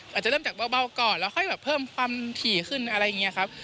อาจจะเริ่มจากเบาก่อนแล้วค่อยแบบเพิ่มความถี่ขึ้นอะไรอย่างนี้ครับ